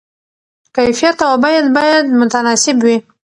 کیفیت او بیه باید متناسب وي.